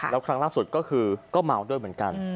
แล้วครั้งล่าสุดก็คือก็เมาด้วยเหมือนกัน